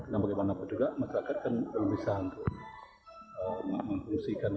dan bagaimana juga masyarakat kan bisa memfungsikan